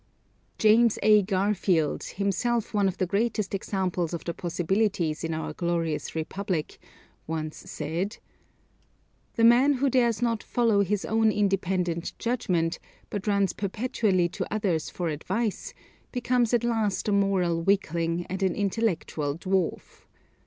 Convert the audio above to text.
James A. Garfield, himself one of the greatest examples of the possibilities in our glorious Republic, once said: "The man who dares not follow his own independent judgment, but runs perpetually to others for advice, becomes at last a moral weakling, and an intellectual dwarf.